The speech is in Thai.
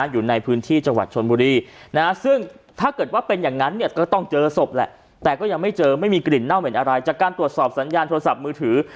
ไม่มีกลิ่นเน่าเหม็นอะไรจากการตรวจสอบสัญญาณโทรศัพท์มือถือ